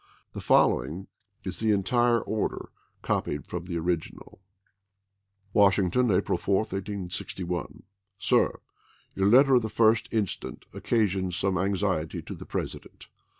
The following is the entire order copied from the original : Washington, April 4, 1861. Sir: Your letter of the 1st instant occasions some anxiety to the President.